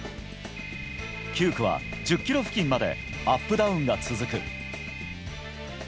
９区は１０ｋｍ付近までアップダウンが続く。